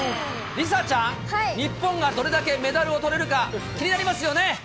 梨紗ちゃん、日本がどれだけメダルをとれるか、気になりますよね？